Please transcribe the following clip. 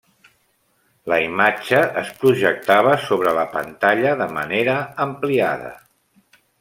La imatge es projectava sobre la pantalla de manera ampliada.